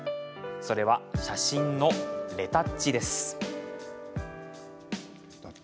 それは、写真のレタッチです。